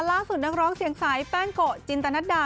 นักร้องเสียงใสแป้งโกะจินตนัดดา